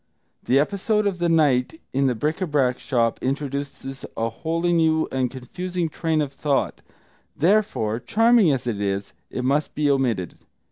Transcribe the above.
The episode of the night in the bric a brac shop introduces a wholly new and confusing train of thought; therefore, charming as it is, it must be omitted.